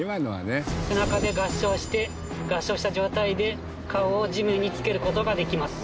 背中で合掌して合掌した状態で顔を地面につける事ができます。